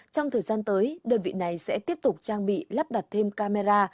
trong thời gian tới đơn vị này sẽ tiếp tục trang bị lắp đặt thêm camera